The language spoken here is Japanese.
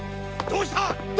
どうした？